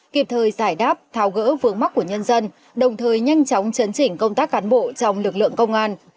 kịp thời giải đáp tháo gỡ vướng mắt của nhân dân đồng thời nhanh chóng chấn chỉnh công tác cán bộ trong lực lượng công an